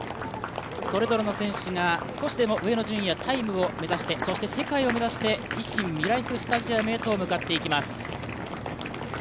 それぞれの選手が少しでも上の順位やタイムを目指してそして世界を目指して、維新みらいふスタジアムへ向かっていきます。